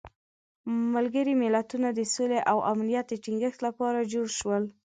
ملګري ملتونه د سولې او امنیت د تینګښت لپاره جوړ شول.